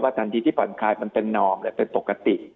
ทันทีที่ผ่อนคลายมันเป็นนอมเป็นปกติ